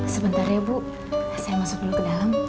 sebentar ya bu saya masuk dulu ke dalam